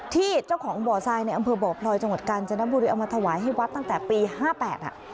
ที่เจ้าของบ่อทรายในอำเภอบ่อพลอยจังหวัดกาญจนบุรีเอามาถวายให้วัดตั้งแต่ปี๕๘อ่ะ